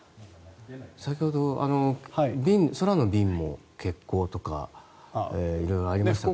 先ほど空の便も欠航とか色々ありましたが。